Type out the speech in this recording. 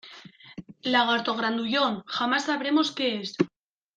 ¡ Lagarto grandullón, jamás sabremos qué es!